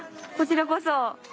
こちらこそ。